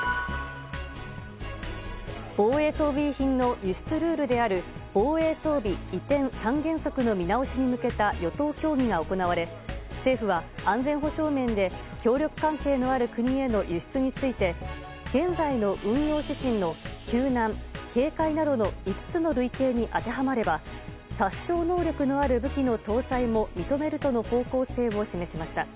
防衛装備品の輸出ルールである防衛装備移転三原則の見直しに向けた与党協議が行われ政府は安全保障面で協力関係のある国への輸出について、現在の運用指針の救難、警戒などの５つの類型に当てはまれば殺傷能力のある武器の搭載も認めるとの方向性を示しました。